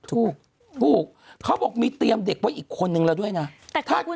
ที่นครสวรรค์เมื่อวานนี้แม่อมยิ้มเขาบอกเนื่องจากอะไรเวลาเงินน่ะเงินที่ควรบริจักษ์เงินที่ซื้อหนากากผ้า